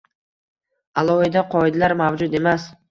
alohida qoidalar mavjud emas.